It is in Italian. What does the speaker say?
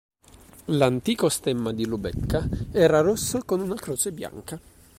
L'antico stemma di Lubecca era rosso con una croce bianca.